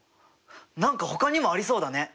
何かほかにもありそうだね？